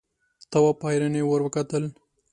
تواب په حيرانۍ ور وکتل.